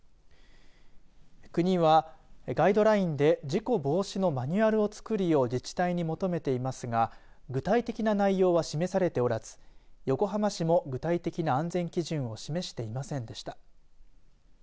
国は、ガイドラインで事故防止のマニュアルを作るよう自治体に求めていますが具体的な内容は示されておらず横浜市も具体的な安全基準を示していませんでした。